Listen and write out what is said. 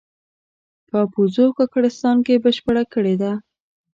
په اپوزو کاکړستان کې بشپړه کړې ده.